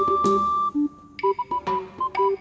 saya juga ngantuk